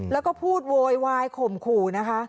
แล้วก็พูดโวยวายข่มขู่นะคะ